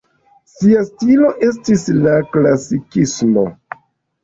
Sia stilo estis la klasikismo.